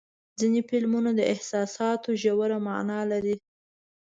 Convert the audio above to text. ځینې فلمونه د احساساتو ژوره معنا لري.